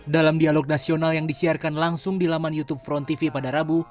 dalam dialog nasional yang disiarkan langsung di laman youtube front tv pada rabu